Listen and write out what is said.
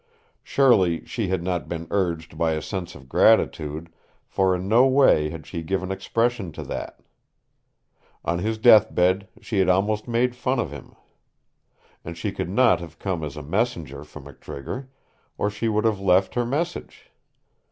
Surely she had not been urged by a sense of gratitude, for in no way had she given expression to that. On his death bed she had almost made fun of him. And she could not have come as a messenger from McTrigger, or she would have left her message.